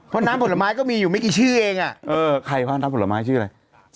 เพราะน้ำผลไม้ก็มีอยู่ไม่กี่ชื่อเองใครบ้างน้ำผลไม้ชื่ออะไร